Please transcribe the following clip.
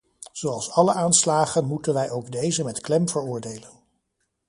Zoals alle aanslagen moeten wij ook deze met klem veroordelen.